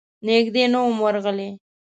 نږدې نه وم ورغلی.